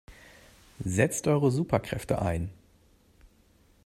Setzt eure Superkräfte ein!